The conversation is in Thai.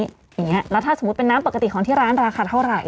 อย่างนี้แล้วถ้าสมมุติเป็นน้ำปกติของที่ร้านราคาเท่าไหร่